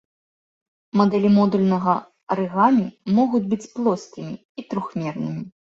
Мадэлі модульнага арыгамі могуць быць плоскімі і трохмернымі.